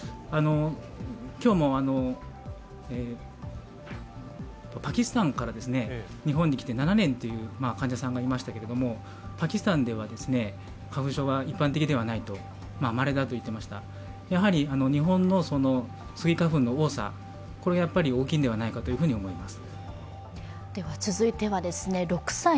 今日もパキスタンから日本に来て７年という患者さんがいましたがパキスタンでは花粉症は一般的ではない、まれだと言っていました、日本のスギ花粉の多さ、これが大きいのではないかと思います。